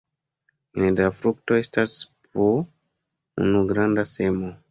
Ene de la frukto estas po unu granda semo.